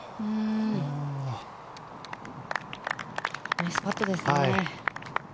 ナイスパットですね。